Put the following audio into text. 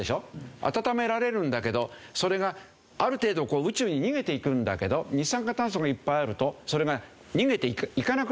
暖められるんだけどそれがある程度宇宙に逃げていくんだけど二酸化炭素がいっぱいあるとそれが逃げていかなくなるんですよ。